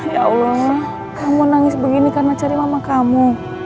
ya allah kamu nangis begini karena cari mama kamu